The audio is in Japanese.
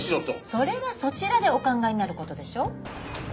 それはそちらでお考えになる事でしょ？